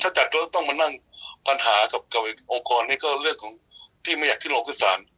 ถ้าจัดแล้วต้องมานั่งปัญหากับองค์กรนี้ก็เรื่องของที่ไม่อยากขึ้นลงขึ้นศาล